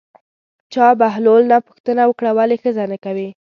چا بهلول نه پوښتنه وکړه ولې ښځه نه کوې.